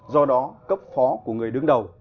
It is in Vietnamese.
do đó cấp phó của người đứng đầu